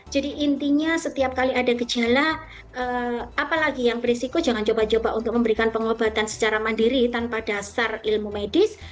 jadi intinya setiap kali ada gejala apalagi yang beresiko jangan coba coba untuk memberikan pengobatan secara mandiri tanpa dasar ilmu medis